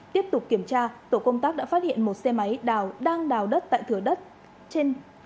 tiếp tục kiểm tra tổ công tác đã phát hiện một xe máy đào đang đào đất tại thừa đất trên